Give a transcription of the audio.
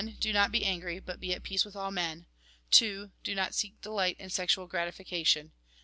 Do not be angry, but be at peace with all men. II. Do not seek delight in sexual gratification.